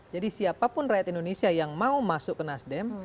jadi siapapun rakyat indonesia yang mau masuk ke nasdem